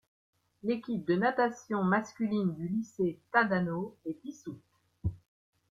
L'équipe de natation masculine du lycée Tadano est dissoute.